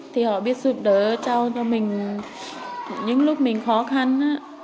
thì họ biết giúp đỡ cho mình những lúc mình khó khăn á